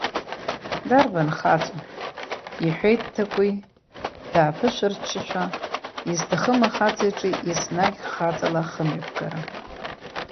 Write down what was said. Дарбан хаҵоу, — иҳәеит Ҭакәи, дааԥышәырччашәа, изҭахым ахаҵа иҿы еснагь хаҵала ахымҩаԥгара.